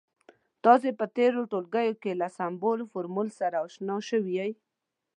تاسې په تیرو ټولګیو کې له سمبول، فورمول سره اشنا شوي يئ.